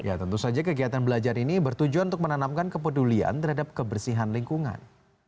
ya tentu saja kegiatan belajar ini bertujuan untuk menanamkan kepedulian terhadap kebersihan lingkungan